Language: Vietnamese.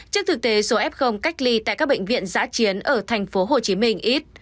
trước thực tế số f cách ly tại các bệnh viện giã chiến ở tp hcm ít